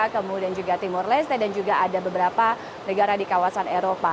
kemudian juga timur leste dan juga ada beberapa negara di kawasan eropa